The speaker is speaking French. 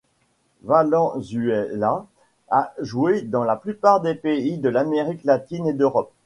Valenzuela a joué dans la plupart des pays de l'Amérique Latine et d'Europe.